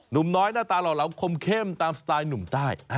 หนุ่มน้อยหน้าตาเหล่าคมเข้มตามสไตล์หนุ่มใต้